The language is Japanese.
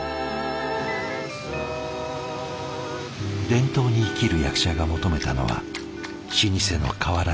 伝統に生きる役者が求めたのは老舗の変わらぬ味。